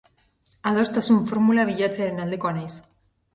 Adostasun formula bilatzearen aldekoa naiz.